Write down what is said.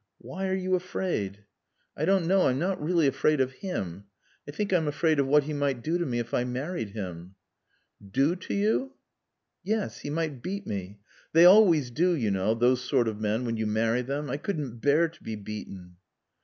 "Why are you afraid?" "I don't know. I'm not really afraid of him. I think I'm afraid of what he might do to me if I married him." "Do to you?" "Yes. He might beat me. They always do, you know, those sort of men, when you marry them. I couldn't bear to be beaten."